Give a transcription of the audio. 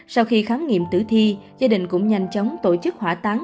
sau khi khám nghiệm tử thi gia đình cũng nhanh chóng tổ chức hỏa táng